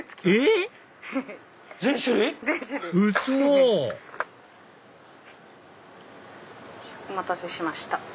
ウソ⁉お待たせしました。